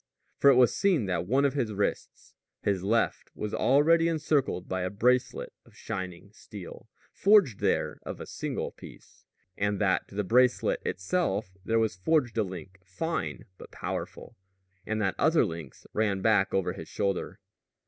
For it was seen that one of his wrists his left was already encircled by a bracelet of shining steel, forged there of a single piece, and that to the bracelet itself there was forged a link, fine but powerful, and that other links ran back over his shoulder.